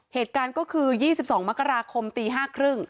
เหตุการณ์ก็คือ๒๒มกราคมตี๕๓๐